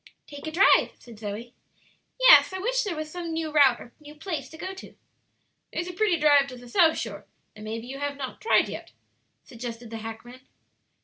"Take a drive," said Zoe. "Yes; I wish there was some new route or new place to go to." "There's a pretty drive to the South Shore, that maybe you have not tried yet," suggested the hackman.